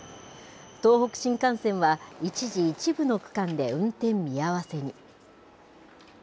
東北新幹線は一時、一部の区間で運転見合わせに。